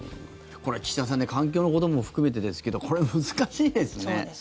これ、岸田さん環境のことも含めてですけどそうですよね。